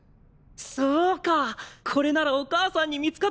そうかこれならお母さんに見つかっても大丈夫だ！